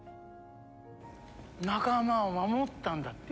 仲間を守ったんだって？